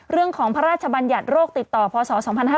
เรื่องของพระราชบัญญัติโรคติดต่อพศ๒๕๕๘